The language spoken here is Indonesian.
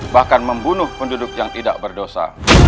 bahkan membunuh penduduk yang tidak berdosa